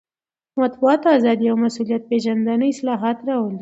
د مطبوعاتو ازادي او مسوولیت پېژندنه اصلاحات راولي.